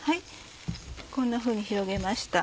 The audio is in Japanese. こんなふうに広げました。